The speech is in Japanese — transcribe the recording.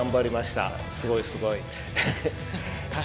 すごいすごい。